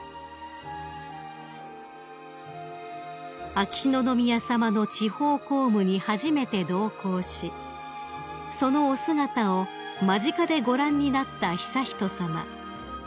［秋篠宮さまの地方公務に初めて同行しそのお姿を間近でご覧になった悠仁さま］